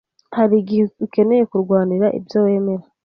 Hari igihe ukeneye kurwanira ibyo wemera.